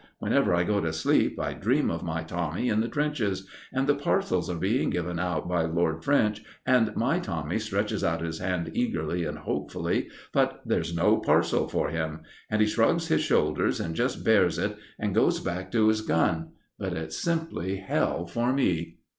Whenever I go to sleep, I dream of my Tommy in the trenches; and the parcels are being given out by Lord French, and my Tommy stretches up his hand eagerly and hopefully; but there's no parcel for him. And he shrugs his shoulders and just bears it, and goes back to his gun; but it's simply hell for me."